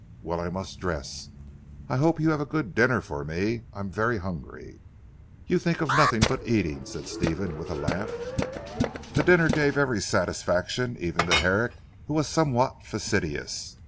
Well I must dress. I hope you have a good dinner for me. I am very hungry." "You think of nothing but eating," said Stephen with a laugh. The dinner gave every satisfaction even to Herrick who was somewhat fastidious.